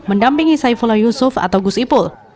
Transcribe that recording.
mendampingi saifullah yusuf atau gus ipul